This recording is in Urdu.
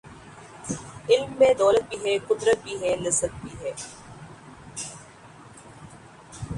علم میں دولت بھی ہے ،قدرت بھی ہے ،لذت بھی ہے